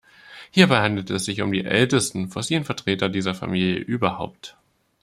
Hierbei handelt es sich um die ältesten fossilen Vertreter dieser Familie überhaupt.